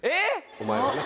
⁉お前はね。